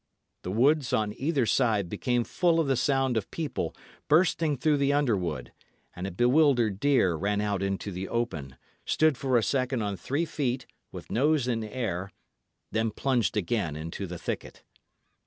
The woods on either side became full of the sound of people bursting through the underwood; and a bewildered deer ran out into the open, stood for a second on three feet, with nose in air, and then plunged again into the thicket.